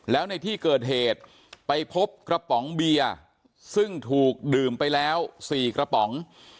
แล้วในที่เกิดเหตุไปพบกระป๋องเบียร์ซึ่งถูกดื่มไปแล้ว๔กระป๋อง